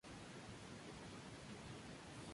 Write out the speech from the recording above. El suizo Hans Müller cerró el podio.